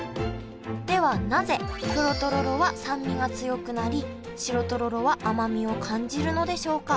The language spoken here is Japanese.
ではなぜ黒とろろは酸味が強くなり白とろろは甘みを感じるのでしょうか？